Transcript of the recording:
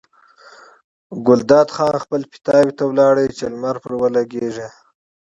ګلداد خان خپل پیتاوي ته لاړ چې لمر پرې ولګي.